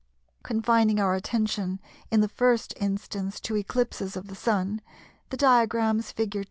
] Confining our attention in the first instance to eclipses of the Sun, the diagrams fig.